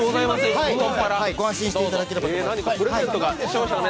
ご安心していただければ。